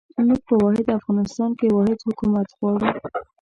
موږ په واحد افغانستان کې واحد حکومت غواړو.